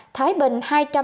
thái bình hai trăm năm mươi năm